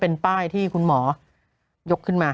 โหยวายโหยวายโหยวาย